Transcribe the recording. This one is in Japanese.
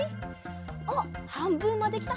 おっはんぶんまできた。